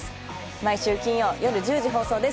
毎週金曜よる１０時放送です